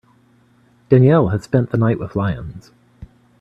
Danielle has spent the night with lions.